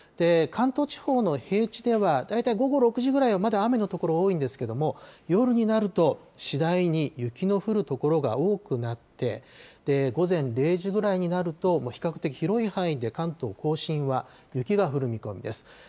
関東地方の平地では大体午後６時ぐらいはまだ雨の所、多いんですけれども、夜になると次第に雪の降る所が多くなって、午前０時ぐらいになると、比較的広い範囲で関東甲信は雪が降る見込みです。